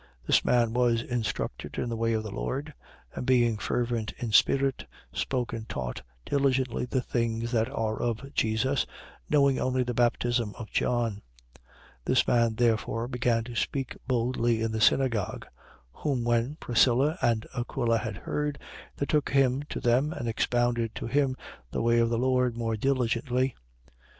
18:25. This man was instructed in the way of the Lord: and being fervent in spirit, spoke and taught diligently the things that are of Jesus, knowing only the baptism of John. 18:26. This man therefore began to speak boldly in the synagogue. Whom when Priscilla and Aquila had heard, they took him to them and expounded to him the way of the Lord more diligently.